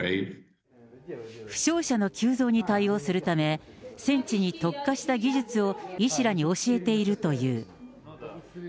負傷者の急増に対応するため、戦地に特化した技術を医師らに教えているという。